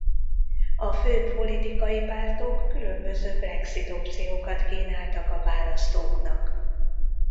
A főbb politikai pártok különböző Brexit-opciókat kínáltak a választóknak.